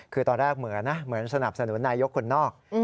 คือตอนแรกเหมือนนะเหมือนสนับสนุนนายกคนนอก